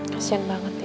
kasian banget ya